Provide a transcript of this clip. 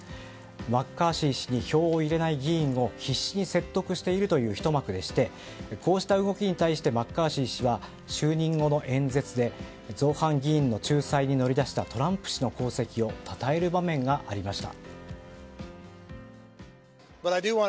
マッカーシー氏に票を入れない議員を必死に説得しているというひと幕でしてこうした動きに対してマッカーシー氏は就任後の演説で造反議員の仲裁に乗り出したトランプ氏の功績をたたえる場面がありました。